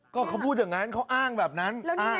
ก็เขาพูดอย่างนั้นเขาอ้างแบบนั้น